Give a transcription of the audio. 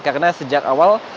karena sejak awal